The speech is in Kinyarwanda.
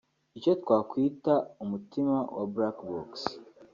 Icyo twakwita umutima wa Black box